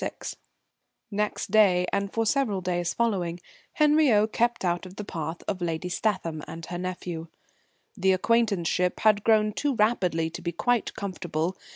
VI Next day, and for several days following, Henriot kept out of the path of Lady Statham and her nephew. The acquaintanceship had grown too rapidly to be quite comfortable.